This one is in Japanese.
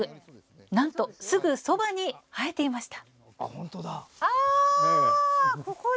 なんとすぐそばに生えていました。